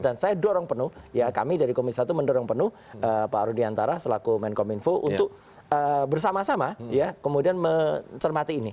dan saya dorong penuh ya kami dari komisi satu mendorong penuh pak arudi antara selaku menkominfo untuk bersama sama ya kemudian mencermati ini